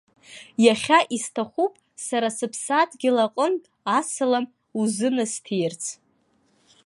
Иахьа исҭахуп сара сыԥсадгьыл аҟынтә асалам узынасҭиирц.